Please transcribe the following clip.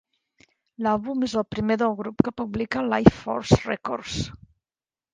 L'àlbum és el primer del grup que publica Lifeforce Records.